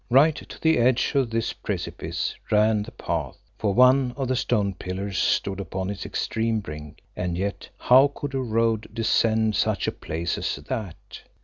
Right to the edge of this precipice ran the path, for one of the stone pillars stood upon its extreme brink, and yet how could a road descend such a place as that?